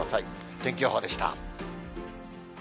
天気予報でした。